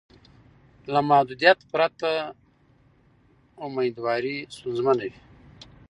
له محدودیت پرته میندواري ستونزمنه وي.